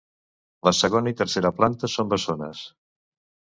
La segona i tercera planta són bessones.